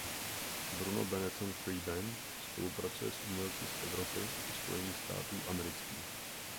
Bruno Benetton Free Band spolupracuje s umělci z Evropy i Spojených států amerických.